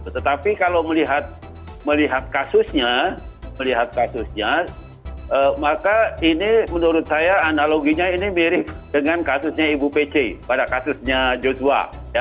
tetapi kalau melihat kasusnya melihat kasusnya maka ini menurut saya analoginya ini mirip dengan kasusnya ibu pece pada kasusnya joshua